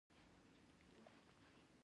د اصولي صیب پلار سره خدای ج پاماني وکړه.